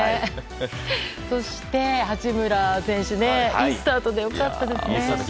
そして、八村選手いいスタートで良かったですね。